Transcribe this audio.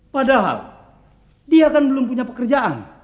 padahal dia kan belum punya pekerjaan